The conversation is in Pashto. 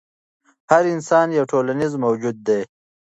هر انسان یو ټولنیز موجود دی.